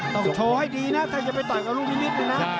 ต้องโชว์ให้ดีนะถ้าจะไปต่อยกับลูกนิดนึงนะ